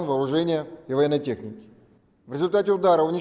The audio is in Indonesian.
menyampaikan telah melewaskan